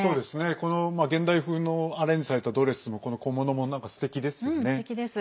この現代風のアレンジされたドレスもこの小物も、すてきですよね。